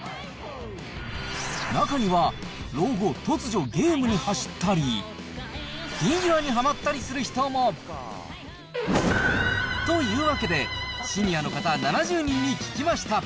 中には、老後、突如、ゲームに走ったり、フィギュアにはまったりする人も。というわけで、シニアの方７０人に聞きました。